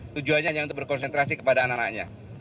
tujuannya hanya untuk berkonsentrasi kepada anak anaknya